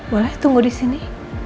boleh tunggu di sini